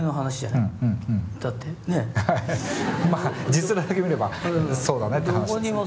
まあ字面だけ見ればそうだねって話ですね。